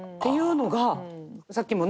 さっきもね